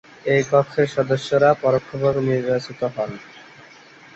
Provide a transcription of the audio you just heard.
এই কক্ষের সদস্যরা পরোক্ষভাবে নির্বাচিত হন।